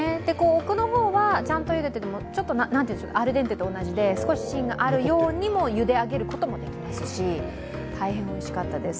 奥の方は、ちゃんと茹でますとちょっと、アルデンテと同じで少し芯があるようにもゆで上げることもできますし大変おいしかったです。